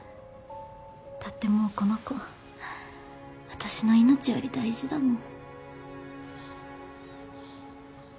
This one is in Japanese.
だってもうこの子私の命より大事だもん。